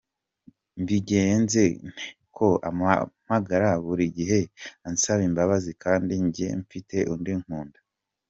Mbigenze nte, ko ampamagara buri gihe ansabimbabazi kandi njye mfite undi nkunda.